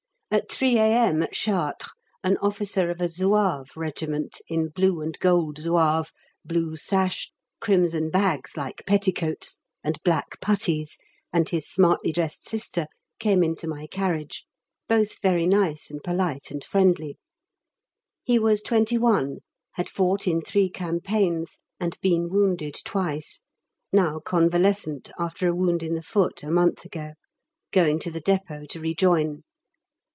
_ At 3 A.M. at Chartres an officer of a Zouave Regiment, in blue and gold Zouave, blue sash, crimson bags like petticoats, and black puttees, and his smartly dressed sister, came into my carriage; both very nice and polite and friendly. He was 21, had fought in three campaigns, and been wounded twice; now convalescent after a wound in the foot a month ago going to the depôt to rejoin.